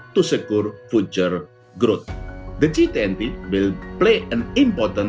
namun dampak pandemi yang belum usai